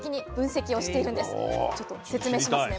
ちょっと説明しますね。